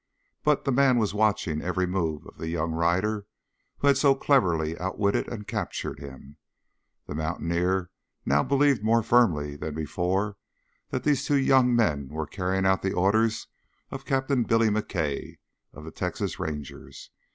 But the man was watching every move of the young rider who had so cleverly outwitted and captured him. The mountaineer now believed more firmly than before that these two young men were carrying out the orders of Captain Billy McKay of the Texas Rangers.